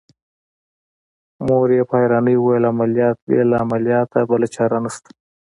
مور يې په حيرانۍ وويل عمليات بې له عملياته بله چاره نشته.